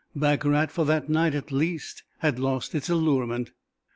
Baccarat for that night, at least, had lost its allurement.